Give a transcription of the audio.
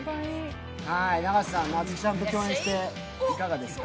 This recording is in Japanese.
永瀬さん、夏木さんと共演してどうですか？